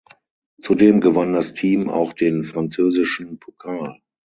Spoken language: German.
Zudem gewann das Team auch den französischen Pokal.